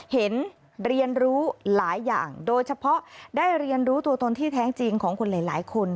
เรียนรู้หลายอย่างโดยเฉพาะได้เรียนรู้ตัวตนที่แท้จริงของคนหลายคน